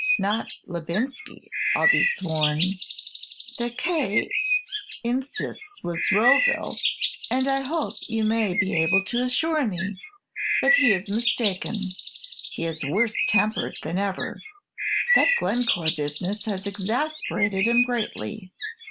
Not Labinsky, I'll be sworn. The K insists it was Roseville, and I hope you may be able to assure me that he is mistaken. He is worse tempered than ever. That Glencore business has exasperated him greatly.